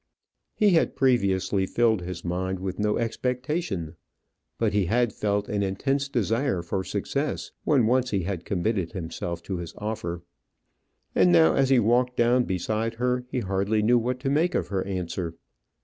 He had previously filled his mind with no expectation; but he had felt an intense desire for success when once he had committed himself to his offer. And now, as he walked down beside her, he hardly knew what to make of her answer.